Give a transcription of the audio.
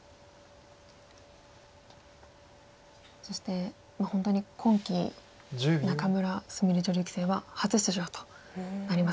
そして本当に今期仲邑菫女流棋聖は初出場となります。